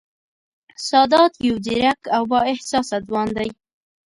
سادات یو ځېرک او با احساسه ځوان دی